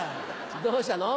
どうしたの？